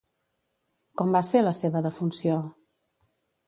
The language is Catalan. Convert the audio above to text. Com va ser la seva defunció?